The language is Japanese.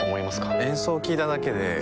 演奏を聴いただけであ